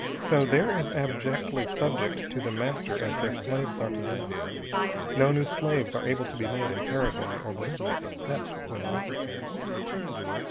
So they're as abjectly subject to The Master as their slaves are to them. No new slaves are to be made in Paraguay or Bolivia, except when necessary.